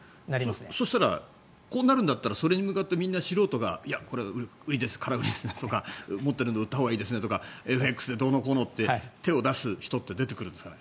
そしたら、こうなるんだったらそれに向かって、みんな素人がいや、これは空売りですとか持っているので売ったほうがいいですねとかＦＸでどうのこうのって手を出す人が出てくるんですかね。